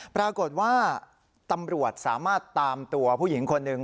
ปรากฏว่าตำรวจสามารถตามตัวผู้หญิงคนหนึ่ง